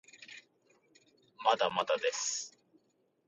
まだまだです